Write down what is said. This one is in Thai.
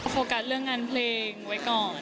โฟกัสเรื่องงานเพลงไว้ก่อน